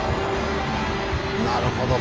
なるほど。